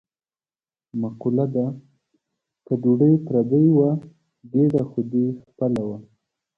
مقوله ده: که ډوډۍ پردۍ وه ګېډه خو دې خپله وه.